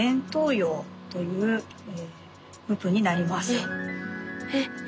えっえっ。